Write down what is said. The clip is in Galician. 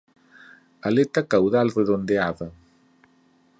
Aleta caudal redondeada.